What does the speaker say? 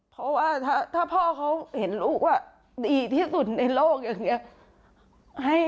เพราะว่าถ้าพ่อเขาเห็นลูกว่าดีที่สุดในโลกอย่างนี้